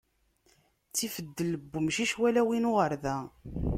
Ttif ddel n wumcic, wala win uɣerda.